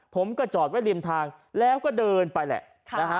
ผมก็จอดไว้ริมทางแล้วก็เดินไปแหละนะฮะ